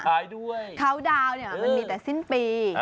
เขาดาวน์มันมีแต่สิ้นปี